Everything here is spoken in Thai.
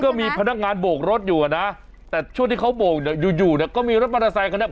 ก็มีพนักงานโบกรถอยู่นะแต่ช่วงที่เขาโบกอยู่เนี่ยก็มีรถมันอาซัยกันเนี่ย